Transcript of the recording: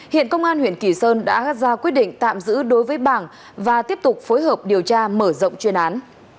hiện công an huyện kỳ sơn đã ra quyết định tạm giữ đối với bảng và tiếp tục phối hợp điều tra mở rộng chuyên án